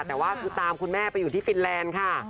แต่ว่าคือตามคุณแม่ไปอยู่ที่ฟินแลนด์ค่ะ